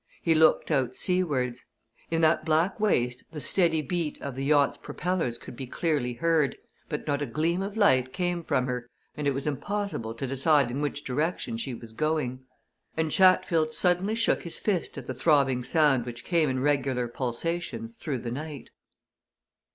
He looked out seawards. In that black waste the steady beat of the yacht's propellers could be clearly heard, but not a gleam of light came from her, and it was impossible to decide in which direction she was going. And Chatfield suddenly shook his fist at the throbbing sound which came in regular pulsations through the night.